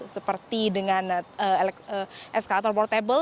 seperti dengan eskalator portable